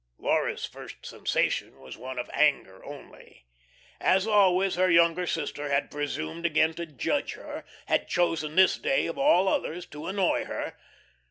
Laura's first sensation was one of anger only. As always, her younger sister had presumed again to judge her, had chosen this day of all others, to annoy her.